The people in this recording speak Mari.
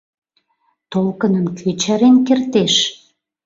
Толкыным кӧ чарен кертеш?